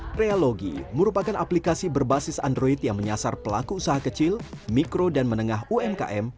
krealogy merupakan aplikasi berbasis android yang menyasar pelaku usaha kecil mikro dan menengah umkm